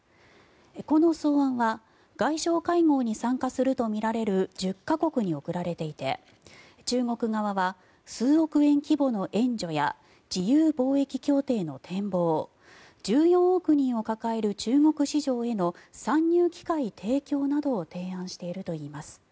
この草案は外相会合に参加するとみられる１０か国に送られていて中国側は数億円規模の援助や自由貿易協定の展望１４億人を抱える中国市場への参入機会提供などを提案しているといいます。